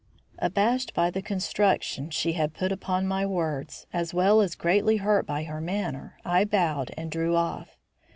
Abashed by the construction she had put upon my words, as well as greatly hurt by her manner, I bowed and drew off.